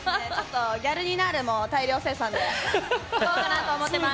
「ギャルニナール」も大量生産でいこうかなと思ってます。